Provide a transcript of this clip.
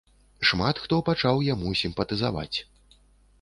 Шмат хто пачаў яму сімпатызаваць.